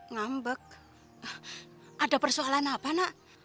ngambek ada persoalan apa nak